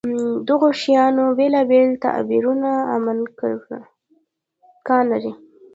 دغو شیانو بېلابېل تعبیرونه امکان لري.